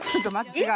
違う。